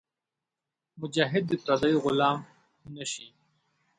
مجاهد د پردیو غلام نهشي.